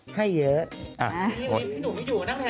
ให้เยอะ